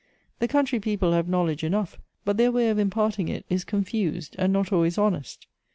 The country people have knowledge enough, but their way of imparting it is confused, and not always hon est.